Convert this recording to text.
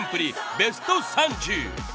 ベスト３０。